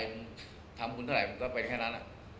อยู่แฟทอ่ะรุงทางหลิงปะล้อเท้าอ่ะ